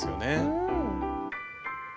うん。